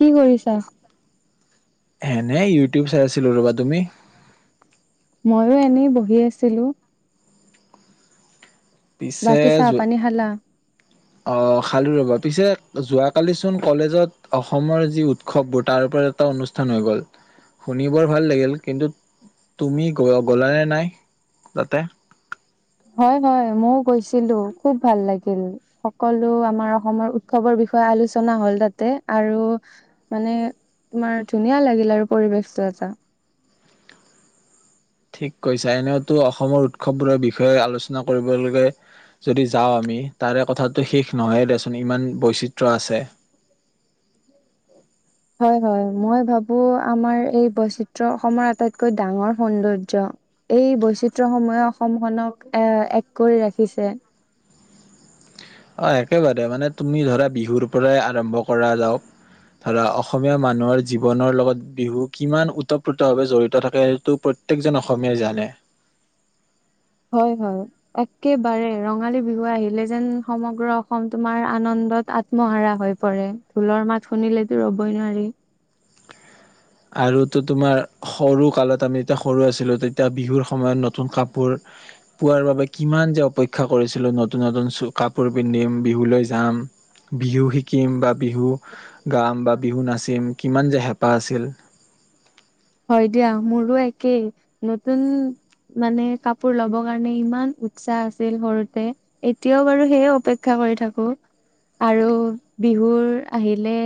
কি কৰিছা? এনে ইউটিউব চাই আছিলো ৰ'বা তুমি। ময়ো এনেই বহি আছিলো পিছে বাকি চাহ যো- পানী খালা অ খাল ৰবা পিছে যোৱাকালিচোন কলেজত অসমৰ যি উৎসৱবোৰ তাৰ ওপৰত এটা অনুষ্ঠান হৈ গ'ল শুনি বৰ ভাল লাগিল কিন্তু তুমি গ'ল নে নাই তাতে হয় ময়ও গৈছিলো খুব ভাল লাগিল সকলো আমাৰ অসমৰ উৎসৱৰ বিষয়ে আলোচনা হল তাতে আৰু মানে তোমাৰ ধুনীয়া লাগিল আৰু পৰিৱেশতটো এটা ঠিক কৈছো এনেওতো অসমৰ উৎসৱবোৰৰ বিষয়ে আলোচনা কৰিবলৈে যদি যাওঁ আমি তাৰে কথাটো শেষ নহয় দেচোন ইমান বৈচিত্ৰ আছে হয় হয় মই ভাবো আমাৰ এই বৈচিত্ৰ অসমৰ আটাইতকৈ ডাঙৰ সৌন্দৰ্য এই বৈচিত্ৰসমূহে অসমখনক এ এক কৰি ৰাখিছে অ একেবাৰে মানে তুমি ধৰা বিহুৰ পৰাই আৰম্ভ কৰা যাওক ধৰা অসমীয়া মানুহৰ জীৱনৰ লগত বিহু কিমান ওতঃপ্ৰোতভাৱে জড়িত থাকে সেইটো প্ৰত্যয়েকজন অসমীয়াই জানে হয় হয় একেবাৰে ৰঙালী বিহু আহিলে যেন সমগ্ৰ অসম তোমাৰ আনন্দত আত্মহাৰা হৈ পৰে ঢোলৰ মাত শুনিলেতো ৰবই নোৱাৰি আৰুতো তোমাৰ সৰু কালত আমি যেতিয়া সৰু আছিলো তেতিয়া বিহুৰ সময়ত নতুন কাপোৰ পোৱাৰ বাবে কিমান যে অপেক্ষা কৰিছিলো নতুন নতুন চ কাপোৰ পিন্ধিম বিহুলৈ যাম বিহু শিকিম বা বিহু গাম বা বিহু নাচিম কিমান যে হেঁপাহ আছিল হয় দিয়া মোৰো একেই নতুন মানে কাপোৰ লব কাৰণে ইমান উৎসাহ আছিল সৰুতে এতিয়াও বাৰু সেইয় অপেক্ষা কৰি থাকো আৰু বিহুৰ আহিলে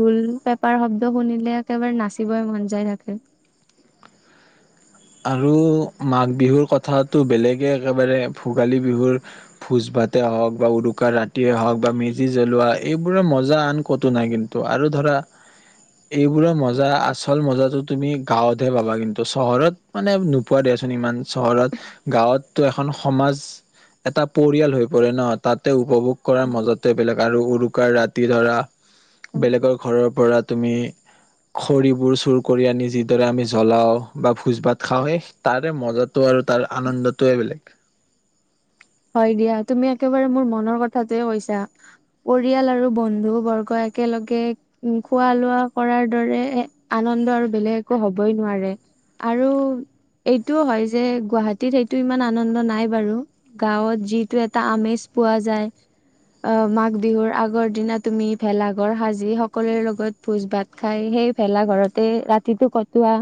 ঢোল পেপাৰ শব্দ শুনিলে একেবাৰে নাচিবই মন যাই থাকো কি আৰু মাঘ বিহুৰ কথাটো বেলেগে একেবাৰে ভোগালী বিহুৰ ভোজ ভাতে হওক বা উৰুকাৰ ৰাতিয়ে হওক বা মেজি জ্বলোৱা এইবোৰৰ মজা আন ক'তো নাই কিন্তু আৰু ধৰা এইবোৰৰ মজা আচল মজাটো তুমি গাঁৱতহে পাবা কিন্তু চহৰত মানে নোপোৱা দিয়াচোন ইমান চহৰত গাঁৱতো এখন সমাজ এটা পৰিয়াল হৈ পৰে ন তাতে উপভোগ কৰাৰ মাজতে বেলেগ আৰু উৰুকাৰ ৰাতি ধৰা বেলেগৰ ঘৰৰ পৰা তুমি খৰিবোৰ চুৰ কৰি আনি যিদৰে আমি জ্বলাও বা ভোজ ভাত খাওঁহে তাৰে মজাটো আৰু তাৰ আনন্দটোৱে বেলেগ হয় দিয়া তুমি একেবাৰে মোৰ মনৰ কথাটোৱে কৈছা পৰিয়াল আৰু বন্ধু বৰ্গ একেলগে উ খোৱা লোৱা কৰাৰ দৰে আনন্দ আৰু বেলেগ একো হবই নোৱাৰে আৰু এইটোও হয় যে গুৱাহাটীত সেইটো ইমান আনন্দ নাই বাৰু গাঁৱত যিটো এটা আমেজ পোৱা যায়, আহ মাঘ বিহুৰ আগৰ দিনা তুমি ভেলাঘৰ সাজি সকলোৰে লগত ভোজ ভাত খাই সেই ভেলাঘৰতে ৰাতিটো কটোৱা,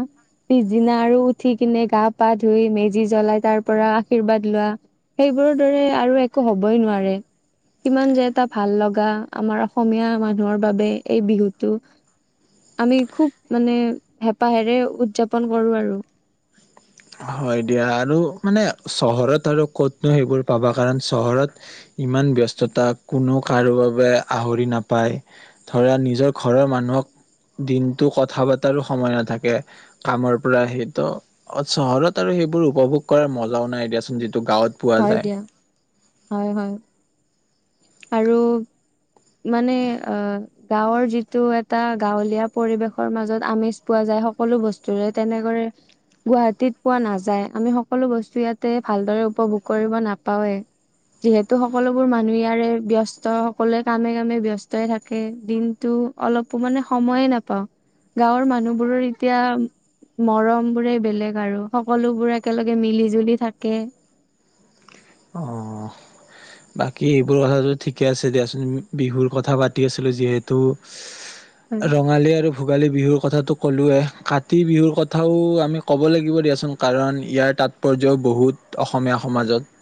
পিছদিনা আৰু উঠি কিনে গা পা ধুই মেজি জ্বলাই তাৰ পৰা আশীৰ্বাদ লোৱা সেইবোৰৰ দৰে আৰু একো হবই নোৱাৰে, কিমান যে এটা ভাল লগা আমাৰ অসমীয়া মানুহৰ বাবে এই বিহুটো, আমি খুব মানে হেঁপাহেৰে উদযাপন কৰো আৰু। হয় দিয়া আৰু মানে চহৰত আৰু ক'তনো সেইবোৰ পাবা কাৰণ চহৰত ইমান ব্যস্ততা কোনো কাৰো বাবে আহৰি নাপায়, ধৰা নিজৰ ঘৰৰ মানুহক দিনটো কথা পতাৰো সময় নাথাকে, কামৰ পৰা সেইটো অ চহৰত আৰু সেইবোৰ উপভোগ কৰাৰ মজাও নাই দিয়াচোন গৱত পোৱা হয় যায়। দিয়া হয় হয় আৰু মানে আহ গাঁৱৰ যিটো এটা গাঁৱলীয়া পৰিৱেশৰ মাজত আমেজ পোৱা যায় সকলো বস্তুৰে তেনেকৰে গুৱাহাটীত পোৱা নাযায় আমি সকলো বস্তু ইয়াতে ভালদৰে উপভোগ কৰিব নাপাওৱেই, যিহেতু সকলোবোৰ মানুহে ই াৰে ব্য্স্ত সকলোৱে কামে কামে ব্যস্ত থাকে, দিনতটো অলপো মানে সময়ে নাপাওঁ, গাঁৱৰ মানুহবোৰৰ এতিয়া মৰম বোৰে বেলেগ আৰু, সকলোবোৰ একেলগে মিলি জুলি থাকে। অঁ বাকী এইবোৰ কথাটো ঠিকে আছে দিয়াচোন বিহুৰ কথা পাতি আছিলোঁ যিহেতু ৰঙালী আৰু ভোগালী বিহুৰ কথাটো ক'লোৱৱেই কাতি বিহুৰ কথাও আমি ক'ব লাগিব দিয়াচোন কাৰণ ইয়াৰ তাৎপৰ্যও বহুত অসমীয়া সমাজত।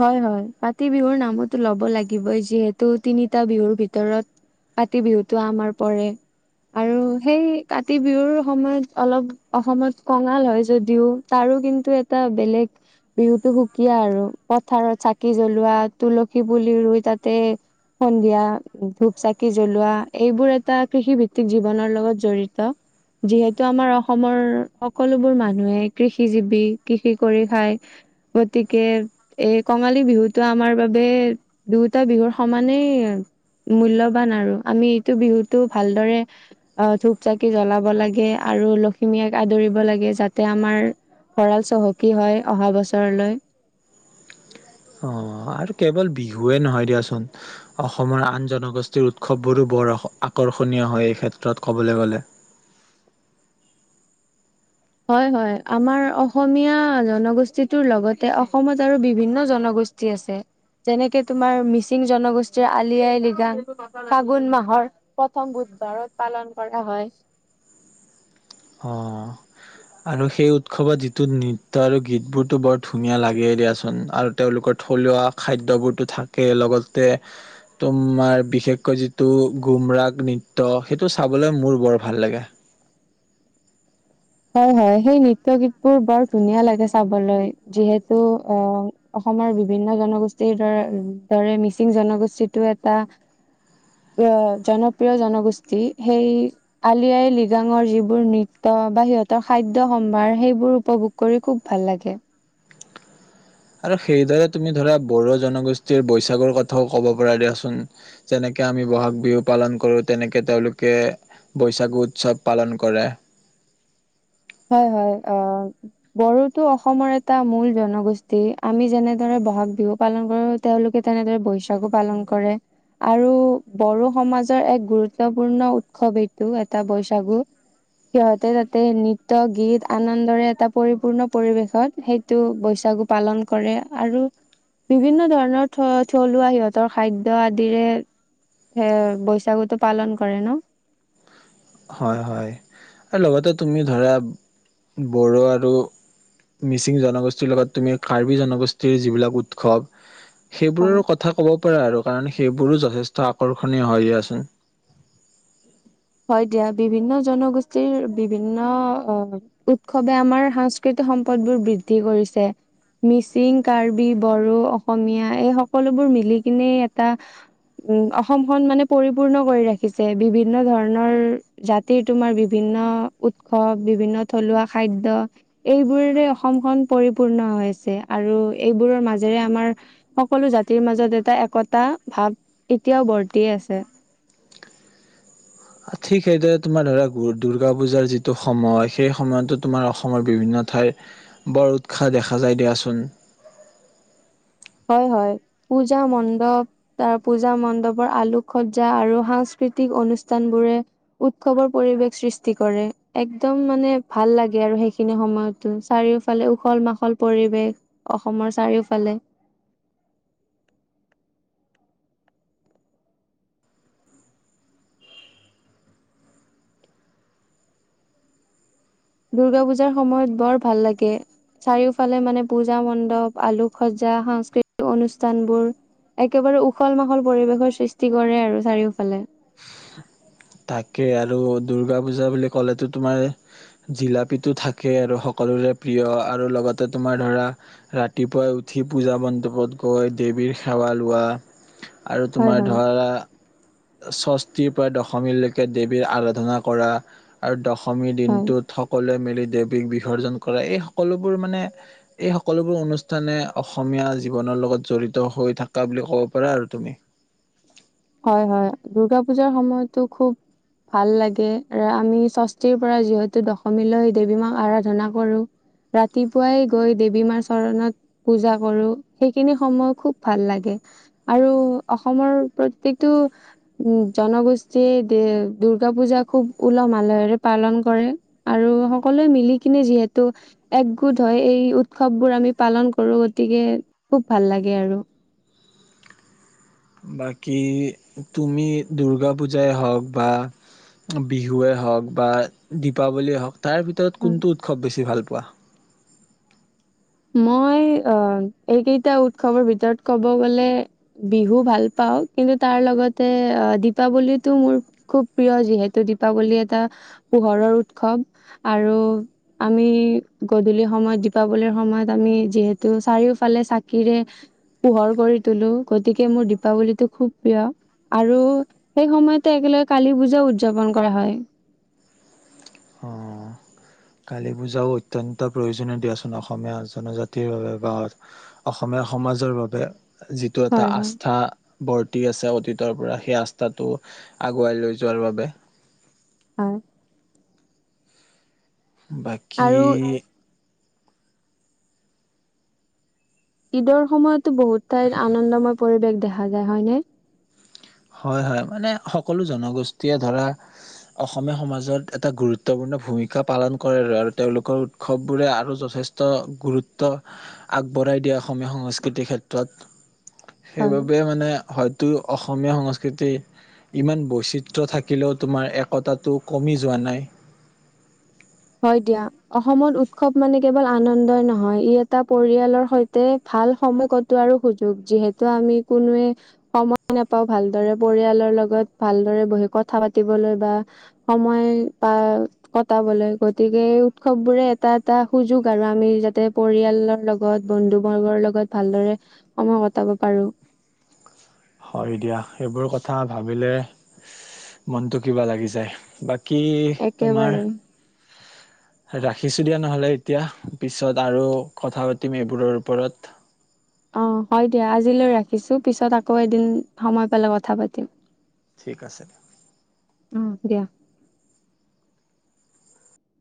হয় হয় কাতি বিহুৰ নামতো ল'ব লাগিবই যিহেতু তিনিটা বিহুৰ ভিতৰত কাতি বিহুতটো আমাৰ পৰে আৰু সেই কাতি বিহুৰ সময়ত অলপ অসমত কঙাল হয় যদিও তাৰো কিন্তু এটা বেলেগ বিহুতটো সুকীয়া আৰু পথাৰত চাকি জ্বলোৱা তুলসী পুলি ৰুই তাতে সন্ধিয়া ধূপ চাকি জ্বলোৱা এইবোৰ এটা কৃষিভিত্তিক জীৱনৰ লগত জড়িত যিহেতু আমাৰ অসমৰ সকলোবোৰ মানুহে কৃষি জীৱি কৃষি কৰি খায়, গতিকে এই কঙালী বিহুতটো আমাৰ বাবে দুয়টা বিহুৰ সমানেই মূল্্যবান আৰু আমি এইটো বিহুতটো ভালদৰে ধূপ চাকি জ্বলাব লাগে আৰু লখিমীয়াক আদৰিব লাগে যাতে আমাৰ ভঁৰাল চহকী হয় অহা বছৰলৈ। অ আৰু কেৱল বিহুৱে নহয় দিয়াচোন অসমৰ আন জনগোষ্ঠীৰ উৎসৱবোৰো বৰ আকৰ্ষণীয় হয় এই ক্ষেত্ৰত কবলৈ গলে। হয় হয় আমাৰ অসমীয়া জনগোষ্ঠীটোৰ লগতে অসমত আৰু বিভিন্ন জনগোষ্ঠী আছে, যেনেকে তোমাৰ মিচিং জনগোষ্ঠীৰ আলি আই লৃগা, ফাগুন মাহৰ প্ৰথম বুধবাৰত পালন কৰা হয়। অ আৰু সেই উৎসৱত যিটো নৃত্্য আৰু গীতবোৰতো বৰ ধুনীয়া লাগেই দিয়াচোন আৰু তেওঁলোকৰ থলুৱা খাদ্যবোৰতো থাকে লগতে তোমাৰ বিশেষকৈ যিটো গুমৰাগ নৃত্য সেইটো চাবলৈ মোৰ বৰ ভাল লাগে। হয় হয় সেই নৃত্য গীতবোৰ বৰ ধুনীয়া লাগে চাবলৈ যিহেতু আহ অসমৰ বিভিন্ন জনগোষ্ঠীৰ দৰে দৰে মিচিং জনগোষ্ঠীটো এটা আহ জনপ্ৰিয় জনগোষ্ঠী, সেই আলি আই লিগাঙৰ যিবোৰ নৃত্্য বা সিহত সৰ খাদ্যয় সম্ভাৰ সেইবোৰ উপভোগ কৰি খুব ভাল লাগে। আৰু সেইদৰে তুমি ধৰা বড়ো জনগোষ্ঠীৰ বৈশাগুৰ কথাও ক'ব পৰা দিয়াচোন যেনেকে আমি বহাগ বিহু পালন কৰো তেনেকে তেওঁলোকে বৈশাগু উৎসৱ পালন কৰে। হয় হয় আহ বড়োটো অসমৰ এটা মূল জনগোষ্ঠী আমি যেনেদৰে বহাগ বিহু পালন কৰো তেওঁলোকে তেনেদৰে বৈশাগু পালন কৰে আৰু বড়ো সমাজৰ এক গুৰুত্বপূৰ্ণ উৎসৱ এইটো এটা বৈশাগু, সিহঁতে তাতে ত গীত আনন্দৰে এটা পৰিপূৰ্ণ পৰিৱেশত সেইটো বৈশাগু পালন কৰে আৰু বিভিন্ন ধৰণৰ থ থলুৱা সিহঁতৰ খাদ্য আদিৰে এ বৈশাগুটো পালন কৰে ন। হয় হয় আৰু লগতে তুমি ধৰা বড়ো আৰু হয়। সেইবোৰৰো কথা ক'ব পাৰ আৰু। কাৰণ সেইবোৰো যথেষ্ট আকৰ্ষণীয় হয় দিয়া সোন। হয় দিয়া বিভিন্ন জনগোষ্ঠীৰ বিভিন্ন আহ উৎসৱে আমাৰ সাংস্কৃতিক সম্পদ বোৰ বৃদ্ধি কৰিছে, মিচিং কাৰ্বি, বড়ো, অসমীয়া, এই সকলোবোৰ মিলি কিনে এটা উ অসমখন মানে পৰিপূৰ্ণ কৰি ৰাখিছে, বিভিন্ন ধৰণ ৰ জাতিৰ তোমাৰ বিভিন্ন উৎসৱ বিভিন্ন, থলুৱা খাদ্য, এইবোৰেৰে অসমখন পৰিপূৰ্ণ হৈছে আৰু এইবোৰৰ মাজেৰে আমাৰ সকলো জাতিৰ মাজত এটা একতা ভাৱ এতিয়াও বৰ্তি আছে। ঠিক সেইদৰে তোমাৰ ধৰা দুূৰ্গা পূজাৰ যিটো সময় সেই সময়তো তোমাৰ অসমৰ বিভিন্ন ঠাইৰ বৰ উৎসাহ দেখা যায় দিয়াচোন। হয় হয় পূজা মণ্ডপ ত পূজা মণ্ডপৰ আলোকসজ্জা আৰু সাংস্কৃতিক অনুষ্ঠান বোৰে উৎসৱৰ পৰিৱেশ সৃষ্টি কৰে একদম মানে ভাল লাগে আৰু সেইখিনি সময়তো চাৰিওফালে উখল মাখল পৰিৱেশ অসমৰ চাৰিওফালে। দুৰ্গা পূজাৰ সময়ত বৰ ভাল লাগে চাৰিওফালে মানে পূজা মণ্ডপ আলোকসজা সাংস্কৃতিক অনুষ্ঠানবোৰ একেবাৰে উখল মাখল পৰিৱেশৰ সৃষ্টি কৰে আৰু চাৰিওফালে। থাকে আৰু দুৰ্গা পূজা বুলি ক'লেতো তোমাৰ জিলাপীটো থাকে আৰু সকলোৰে প্ৰিয় আৰু লগতে তোমাৰ ধৰা ৰাতিপুৱাই উঠি পূজা মণ্ডপত গৈ দেৱীৰ সেৱা লোৱা আৰু হয় তোমাৰ হয় ধৰা স্বস্তিৰ পৰা ড দশীলৈকে দেৱীৰ আৰাধনা কৰা, আৰু দ অসমী হয় দিনটোত সকলোৱে মিলি দেৱীক বিসৰ্জন কৰা এই সকলোবোৰ মানে এই সকলোবোৰ অনুষ্ঠানে অসমীয়া জীৱনৰ লগত জড়িত হৈ থকা বুলি ক'ব পাৰা আৰু তুমি। হয় হয় দুূৰ্গা পূজাৰ সময়তো খুব ভাল লাগে, আমি ষষ্ঠীৰ পৰা যিহেতু দশমীলৈ দেৱী মাক আৰাধনা কৰো, ৰাতিপুৱাই গৈ দেৱী মাৰ চৰণত পূজা কৰো সেইখিনি সময় খুব ভাল লাগে আৰু অসমৰ প্ৰত্য়েকটো জনগোষ্ঠীয়ে দুূৰ্গা পূজা খুব উলহ ম আালহেৰে পালন কৰে আৰু সকলোৱে মিলি কিনে যিহেতু একগোট হয় এই উৎসৱবোৰ আমি পালন কৰো গতিকে খুব ভাল লাগে আৰু। বাকী তুমি দুৰ্গা পূজাই হওক বা বিহুৱেই হওক বা দীপাৱলীয়ে হওক তাৰ ভিতৰত কোনটো উৎসৱ বেছি ভালায়? ৱাহ [unintelligible] মই আহ এইকেইটা উৎসৱৰ ভিতৰত কব গলে বিহু ভাল পাও কিন্তু তাৰ লগতে দীপাৱলীটো মোৰ খুব প্ৰিয় যিহেতু দীপাৱলী এটা পোহৰৰ উৎসৱ আৰু আমি গধূলি সময়ত দীপাৱলীৰ সময়ত আমি যিহেতু চাৰিওফালে চাকিৰে পোহৰ কৰি টোলো গতিকে মোৰ দীপাৱলীটো খুব প্ৰিয় আৰু সেই সময়তে একেলগে কালি পূজা উদযাপন কৰা হয়। অহ কালী পূজাও অত্যন্ত প্ৰয়োজনীয় দিয়াচোন অসমীয়া জনজাতিৰ বাবে বা অসমীয়া সমাজৰ বাবে যিটো এটা হয় হয় আস্থা বৰ্তি আছে। পৰা সেই আস্থাটো আগুৱাই লৈ যোৱাৰ বাবে হয়। বাকী আৰু ঈদৰ সময়ত টো বহুত ঠাইত আনন্দময় পৰিৱেশ দেখা যায়। দেখা যায় হয়নে? হয় হয় মানে সকলো জনগোষ্ঠীয়ে ধৰা অসমীয়া সমাজত এটা গুৰুত্বপূৰ্ণ ভূমিকা পালন কৰে আৰু-আৰু তেওঁলোকৰ উৎসৱবোৰে আৰু যথেষ্ট গুৰুত্ব আগবঢ়াই দিয়ে অসমীয়া সংস্কৃতিৰ ক্ষেত্ৰত। হয়। সেইবাবে মানে হয়। টো অ অসমীয়া সংস্কৃতি ইমান বৈচিত্ৰ থাকিলেও তোমাৰ একতাটো কমি যোৱা নাই হয় দিয়া অসমত উৎসৱ মানে কেৱল আনন্দই নহয় ই এটা পৰিয়ালৰ সৈতে ভাল সময় কটোৱাৰো সুযোগ যিহেতু আমি কোনোৱে সময় নাপাও ভালদৰে পৰিয়ালৰ লগত ভালদৰে বহি কথা পাতিবলৈ বা সময় বা কটাবলৈ গতিকে এই উৎসৱ বোৰে এটা এটা সুযোগ আৰু আমি যাতে পৰিয়ালৰ লগত বন্ধু বৰ্গৰ লগত ভালদৰে সময় কটাব পাৰো। ক ভাবিলে মনটো কিবা লাগি যায় বা কি তোমাৰ একেবাৰে ৰাখিছোঁ দিয়া নহ'লে এতিয়া পিছত আৰু কথা পাতিম এইবোৰৰ ওপৰত অ হয় দিয়া আজিলৈ ৰাখিছো পিছত আকৌ এদিন সময় পালে কথা পাতিম। ঠিক আছে। ওম্ দিয়া